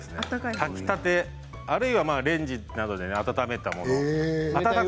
炊きたてもしくはレンジで温めたもの。